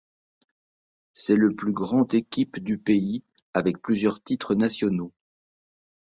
C'est le plus grand équipe du pays avec plusieurs titres nationaux.